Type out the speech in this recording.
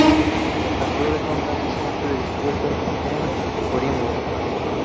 Las flores son casi siempre dispuestas en corimbos.